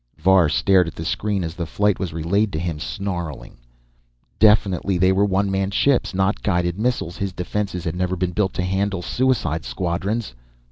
Var stared at the screen as the flight was relayed to him, snarling. Definitely, they were one man ships, not guided missiles. His defenses had never been built to handle suicide squadrons.